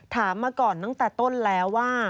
มาก่อนตั้งแต่ต้นแล้วว่า